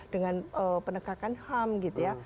dengan penegakan ham gitu ya